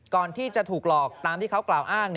ก่อนที่จะถูกหลอกตามที่เขากล่าวอ้าง